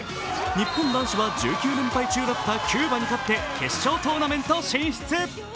日本男子は１９連敗中だったキューバに勝って決勝トーナメント進出。